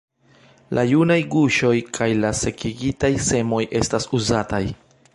La junaj guŝoj kaj la sekigitaj semoj estas uzataj.